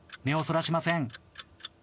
目をそらしません。